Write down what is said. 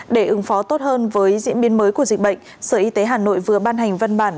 để ứng phó tốt hơn với diễn biến mới của dịch bệnh sở y tế hà nội vừa ban hành văn bản